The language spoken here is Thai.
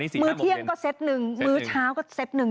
มื้อเที่ยงก็เซตหนึ่งมื้อเช้าก็เซ็ตหนึ่ง